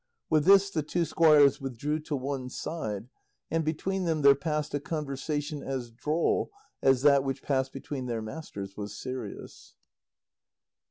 With this the two squires withdrew to one side, and between them there passed a conversation as droll as that which passed between their masters was serious.